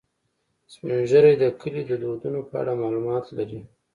سپین ږیری د کلي د دودونو په اړه معلومات لري